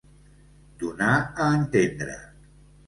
Donar a entendre.